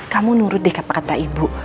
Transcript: kamu nurut deh ke pak kata ibu